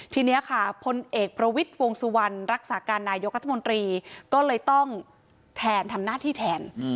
ทีนี้ค่ะพลเอกประวิทย์วงสุวรรณรักษาการนายกรัฐมนตรีก็เลยต้องแทนทำหน้าที่แทน